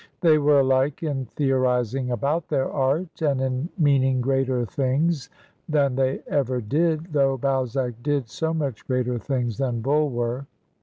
They were alike in theorizing about their art, and in meaning greater things than they ever did, though Balzac did so much greater things than Bulwer.